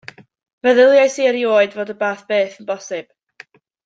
Feddyliais i erioed fod y fath beth yn bosibl.